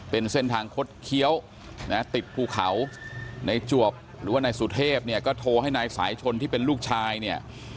เป็นเส้นทางคดเคี้ยวนะติดภูเขาในจวบหรือว่านายสุเทพเนี่ยก็โทรให้นายสายชนที่เป็นลูกชายเนี่ย